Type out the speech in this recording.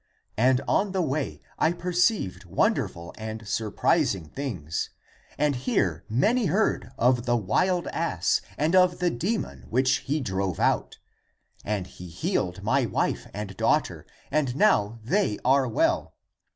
And on the way I perceived wonder ful and surprising things, and here many heard of the wild ass and of the demon which he drove out ; and he healed my wife and daughter, and now they are well.